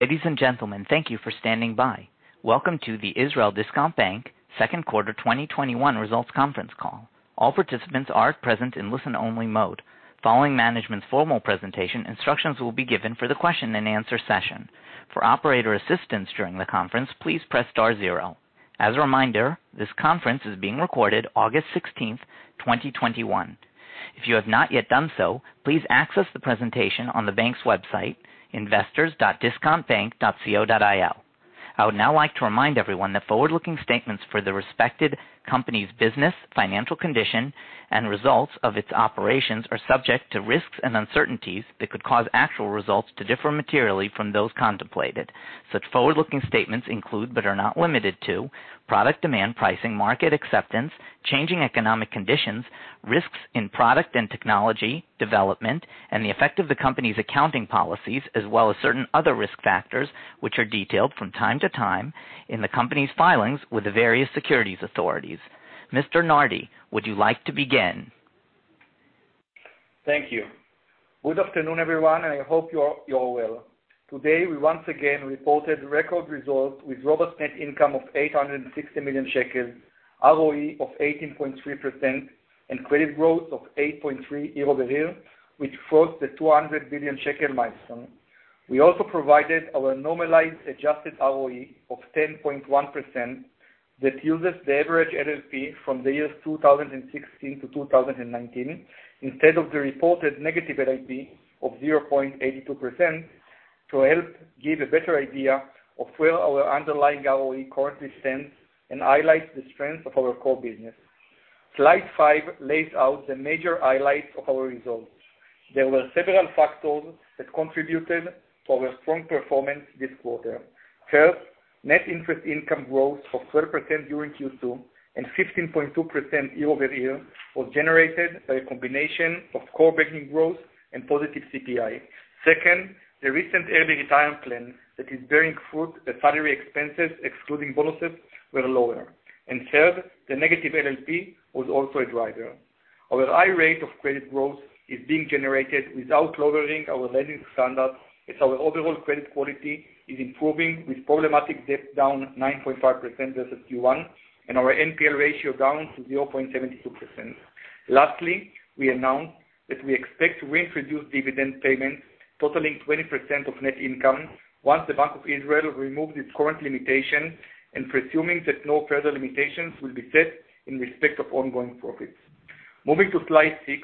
Ladies and gentlemen, thank you for standing by. Welcome to the Israel Discount Bank Second Quarter 2021 Results Conference Call. All participants are present in listen-only mode. Following management's formal presentation, instructions will be given for the question and answer session. For operator assistance during the conference, please press star zero. As a reminder, this conference is being recorded August 16th, 2021. If you have not yet done so, please access the presentation on the bank's website investors.discountbank.co.il. I would now like to remind everyone that forward-looking statements for the respective company's business, financial condition, and results of its operations are subject to risks and uncertainties that could cause actual results to differ materially from those contemplated. Such forward-looking statements include, but are not limited to, product demand pricing, market acceptance, changing economic conditions, risks in product and technology development, and the effect of the company's accounting policies, as well as certain other risk factors, which are detailed from time to time in the company's filings with the various securities authorities. Mr. Nardi, would you like to begin? Thank you. Good afternoon, everyone, and I hope you're well. Today, we once again reported record results with robust net income of 860 million shekels, ROE of 18.3%, and credit growth of 8.3% year-over-year, which crossed the 200 billion shekel milestone. We also provided our normalized adjusted ROE of 10.1% that uses the average LLP from the years 2016-2019, instead of the reported negative LLP of 0.82%, to help give a better idea of where our underlying ROE currently stands and highlight the strength of our core business. Slide five lays out the major highlights of our results. There were several factors that contributed to our strong performance this quarter. First, net interest income growth of 12% during Q2 and 15.2% year-over-year was generated by a combination of core banking growth and positive CPI. Second, the recent early retirement plan that is bearing fruit, the salary expenses excluding bonuses were lower. Third, the negative LLP was also a driver. Our high rate of credit growth is being generated without lowering our lending standards, as our overall credit quality is improving, with problematic debt down 9.5% versus Q1, and our NPL ratio down to 0.72%. Lastly, we announced that we expect to reintroduce dividend payments totaling 20% of net income once the Bank of Israel removes its current limitation and presuming that no further limitations will be set in respect of ongoing profits. Moving to slide six,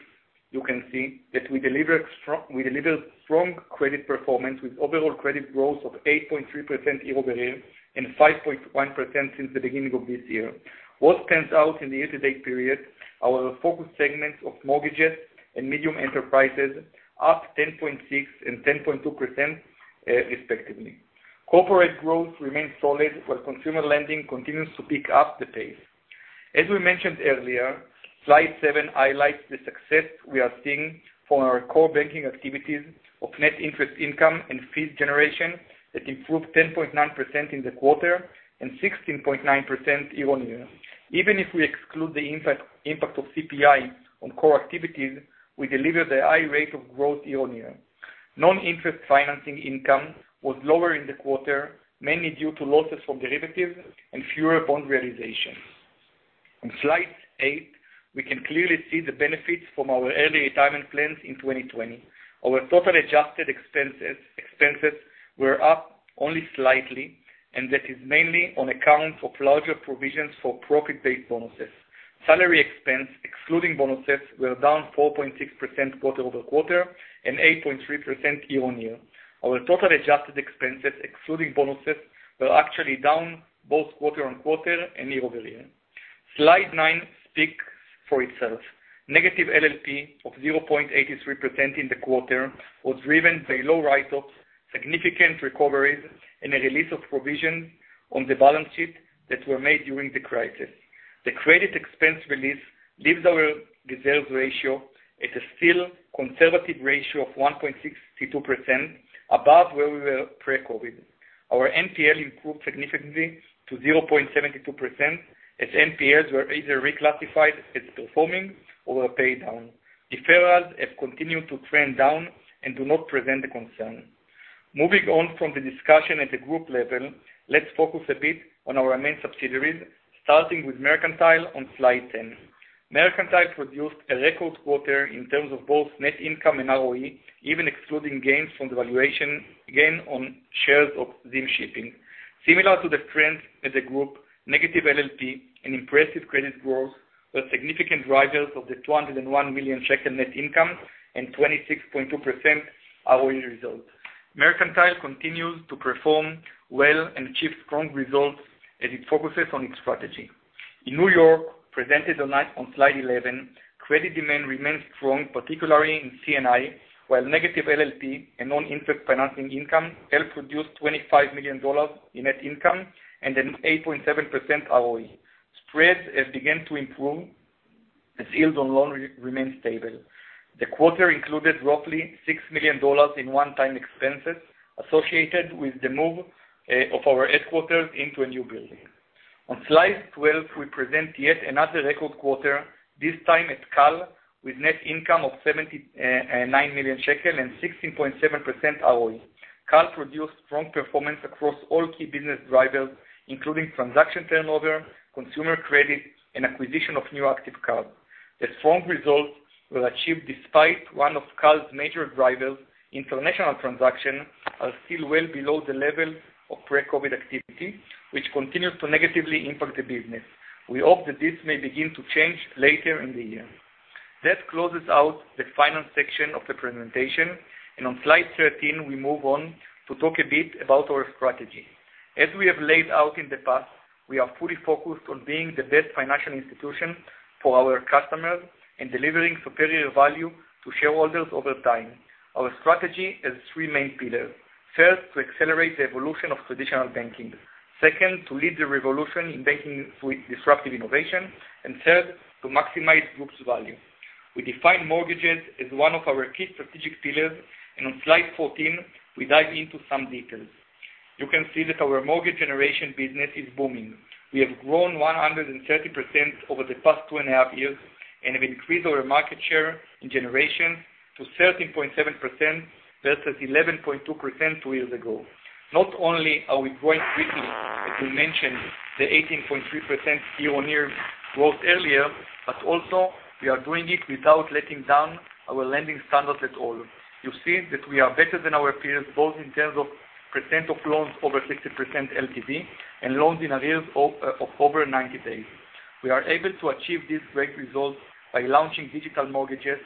you can see that we delivered strong credit performance with overall credit growth of 8.3% year-over-year and 5.1% since the beginning of this year. What stands out in the year-to-date period, our focus segments of mortgages and medium enterprises up 10.6% and 10.2%, respectively. Corporate growth remains solid while consumer lending continues to pick up the pace. As we mentioned earlier, slide seven highlights the success we are seeing from our core banking activities of net interest income and fee generation that improved 10.9% in the quarter and 16.9% year-over-year. Even if we exclude the impact of CPI on core activities, we deliver the high rate of growth year-over-year. Non-interest financing income was lower in the quarter, mainly due to losses from derivatives and fewer bond realizations. On slide eight, we can clearly see the benefits from our early retirement plans in 2020. Our total adjusted expenses were up only slightly, that is mainly on account of larger provisions for profit-based bonuses. Salary expense, excluding bonuses, were down 4.6% quarter-over-quarter and 8.3% year-over-year. Our total adjusted expenses, excluding bonuses, were actually down both quarter-over-quarter and year-over-year. Slide nine speaks for itself. Negative LLP of 0.83% in the quarter was driven by low write-offs, significant recoveries, and a release of provision on the balance sheet that were made during the crisis. The credit expense release leaves our reserves ratio at a still conservative ratio of 1.62%, above where we were pre-COVID. Our NPL improved significantly to 0.72%, as NPLs were either reclassified as performing or were paid down. Deferrals have continued to trend down and do not present a concern. Moving on from the discussion at the group level, let's focus a bit on our main subsidiaries, starting with Mercantile on slide 10. Mercantile produced a record quarter in terms of both net income and ROE, even excluding gains from the valuation gain on shares of Zim Shipping. Similar to the trends as a group, negative LLP and impressive credit growth were significant drivers of the 201 million net income and 26.2% ROE result. Mercantile continues to perform well and achieve strong results as it focuses on its strategy. In N.Y., presented on slide 11, credit demand remains strong, particularly in C&I, while negative LLP and non-interest financing income helped produce $25 million in net income and an 8.7% ROE. Spreads have begun to improve as yields on loans remain stable. The quarter included roughly $6 million in one-time expenses associated with the move of our headquarters into a new building. On slide 12, we present yet another record quarter, this time at Cal, with net income of 79 million shekel and 16.7% ROI. Cal produced strong performance across all key business drivers, including transaction turnover, consumer credit, and acquisition of new active card. The strong results were achieved despite one of Cal's major drivers, international transaction, are still well below the level of pre-COVID activity, which continues to negatively impact the business. We hope that this may begin to change later in the year. That closes out the final section of the presentation, and on slide 13, we move on to talk a bit about our strategy. As we have laid out in the past, we are fully focused on being the best financial institution for our customers and delivering superior value to shareholders over time. Our strategy has three main pillars. First, to accelerate the evolution of traditional banking. Second, to lead the revolution in banking through disruptive innovation. Third, to maximize group's value. We define mortgages as one of our key strategic pillars, and on slide 14, we dive into some details. You can see that our mortgage generation business is booming. We have grown 130% over the past two and a half years and have increased our market share in generation to 30.7% versus 11.2% two years ago. Not only are we growing quickly, as we mentioned, the 18.3% year-over-year growth earlier, but also we are doing it without letting down our lending standards at all. You see that we are better than our peers, both in terms of percent of loans over 60% LTV and loans in arrears of over 90 days. We are able to achieve these great results by launching digital mortgages,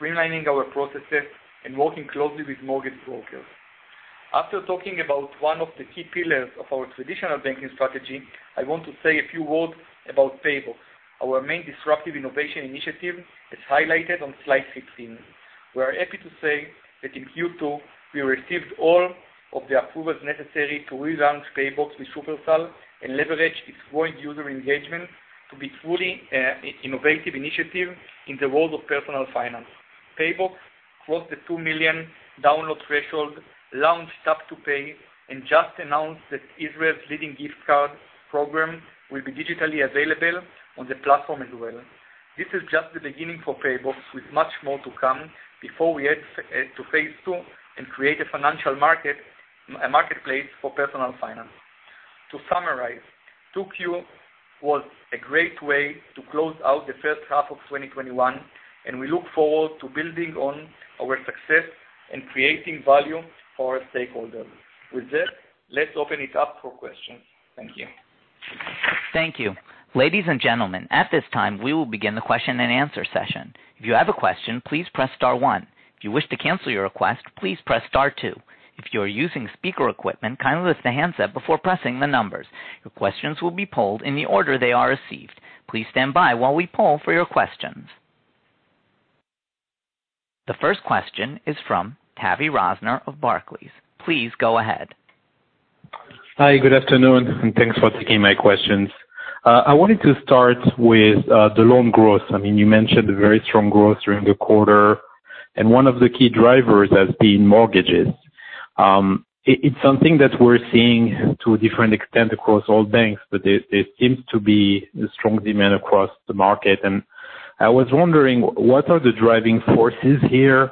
streamlining our processes, and working closely with mortgage brokers. After talking about one of the key pillars of our traditional banking strategy, I want to say a few words about PayBox, our main disruptive innovation initiative, as highlighted on slide 15. We are happy to say that in Q2, we received all of the approvals necessary to relaunch PayBox with Shufersal and leverage its growing user engagement to be truly innovative initiative in the world of personal finance. PayBox crossed the 2 million download threshold, launched Apple Pay, and just announced that Israel's leading gift card program will be digitally available on the platform as well. This is just the beginning for PayBox, with much more to come before we head to phase II and create a financial marketplace for personal finance. To summarize, 2Q was a great way to close out the first half of 2021, and we look forward to building on our success and creating value for our stakeholders. With that, let's open it up for questions. Thank you. Thank you. Ladies and gentlemen, at this time, we will begin the question and answer session. If you have a question, please press star one. If you wish to cancel your request, please press star two. If you are using speaker equipment, kindly lift the handset before pressing the numbers. Your questions will be polled in the order they are received. Please stand by while we poll for your questions. The first question is from Tavy Rosner of Barclays. Please go ahead. Hi. Good afternoon, and thanks for taking my questions. I wanted to start with the loan growth. You mentioned very strong growth during the quarter, and one of the key drivers has been mortgages. It's something that we're seeing to a different extent across all banks, but there seems to be a strong demand across the market. I was wondering, what are the driving forces here?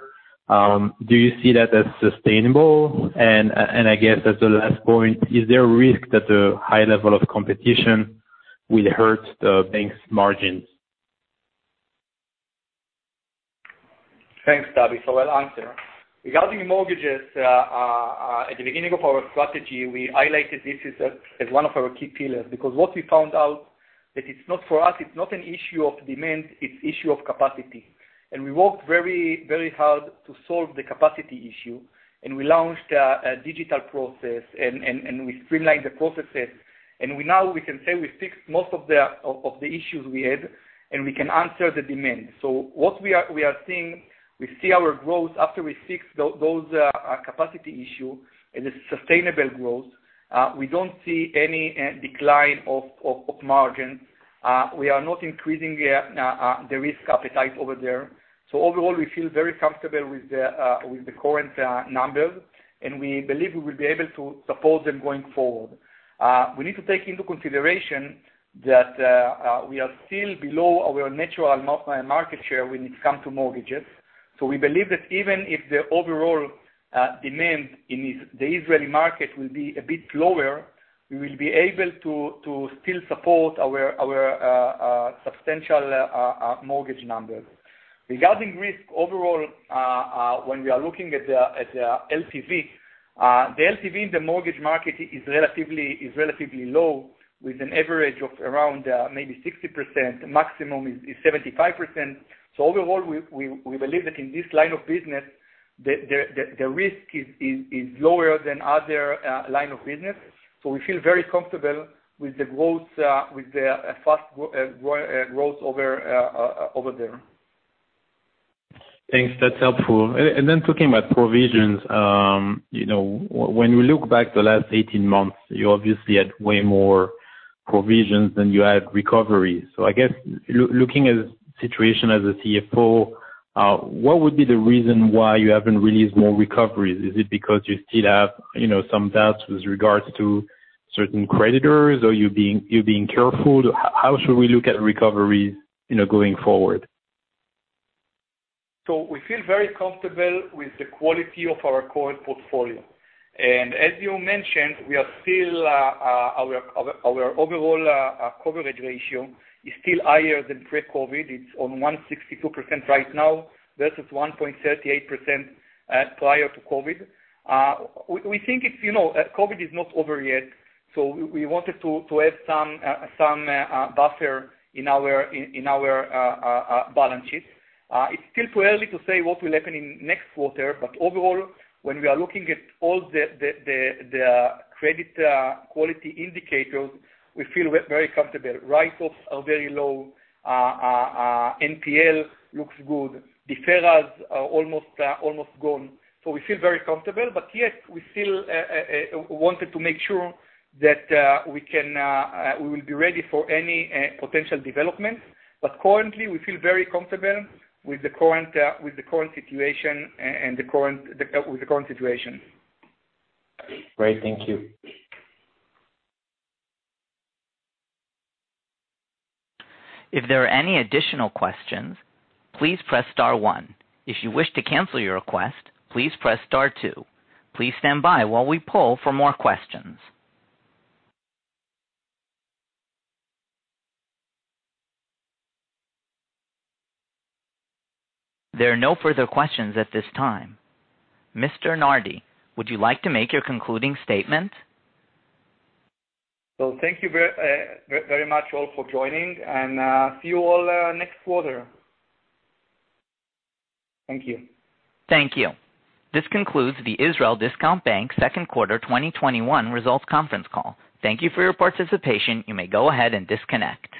Do you see that as sustainable? I guess as the last point, is there a risk that the high level of competition will hurt the bank's margins? Thanks, Tavy. I'll answer. Regarding mortgages, at the beginning of our strategy, we highlighted this as one of our key pillars, because what we found out that for us, it's not an issue of demand, it's issue of capacity. We worked very hard to solve the capacity issue, and we launched a digital process, and we streamlined the processes. Now we can say we fixed most of the issues we had, and we can answer the demand. What we are seeing, we see our growth after we fix those capacity issue, it is sustainable growth. We don't see any decline of margin. We are not increasing the risk appetite over there. Overall, we feel very comfortable with the current numbers, and we believe we will be able to support them going forward. We need to take into consideration that we are still below our natural market share when it comes to mortgages. We believe that even if the overall demand in the Israeli market will be a bit lower, we will be able to still support our substantial mortgage numbers. Regarding risk, overall, when we are looking at the LTV, the LTV in the mortgage market is relatively low, with an average of around maybe 60%, maximum is 75%. Overall, we believe that in this line of business, the risk is lower than other line of business. We feel very comfortable with the fast growth over there. Thanks. That's helpful. Talking about provisions, when we look back the last 18 months, you obviously had way more provisions than you had recovery. I guess, looking at situation as a CFO, what would be the reason why you haven't released more recoveries? Is it because you still have some doubts with regards to certain creditors, or you're being careful? How should we look at recoveries going forward? We feel very comfortable with the quality of our current portfolio. As you mentioned, our overall coverage ratio is still higher than pre-COVID. It is on 1.62% right now, versus 1.38% prior to COVID. COVID is not over yet. We wanted to have some buffer in our balance sheet. It is still too early to say what will happen in next quarter. Overall, when we are looking at all the credit quality indicators, we feel very comfortable. Write-offs are very low. NPL looks good. Deferrals are almost gone. We feel very comfortable. Yes, we still wanted to make sure that we will be ready for any potential development. Currently, we feel very comfortable with the current situation. Great. Thank you. There are no further questions at this time. Mr. Nardi, would you like to make your concluding statement? Thank you very much all for joining, and see you all next quarter. Thank you. Thank you. This concludes the Israel Discount Bank Second Quarter 2021 Results Conference Call. Thank you for your participation. You may go ahead and disconnect.